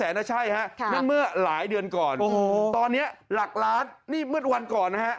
นั่นใช่ฮะนั่นเมื่อหลายเดือนก่อนตอนนี้หลักล้านนี่เมื่อวันก่อนนะฮะ